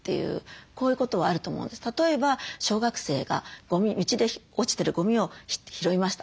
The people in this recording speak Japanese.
例えば小学生が道で落ちてるゴミを拾いました。